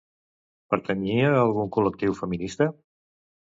Pertanyia a algun col·lectiu feminista?